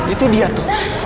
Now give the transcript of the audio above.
itu dia tuh